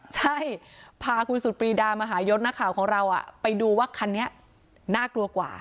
ใช่พาคุณสุดปรีดามหายศนักข่าวของเราไปดูว่าคันนี้น่ากลัวกว่า